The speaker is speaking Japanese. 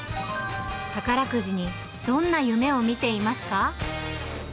宝くじにどんな夢を見ていますか。